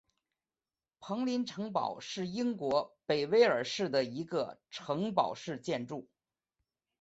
彭林城堡是英国北威尔士的一个城堡式建筑。